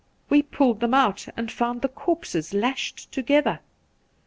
We pulled them out and found the corpses lashed together.